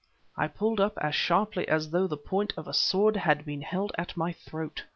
I pulled up as sharply as though the point of a sword had been held at my throat.